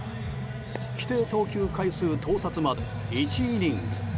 規定投球回数到達まで１イニング。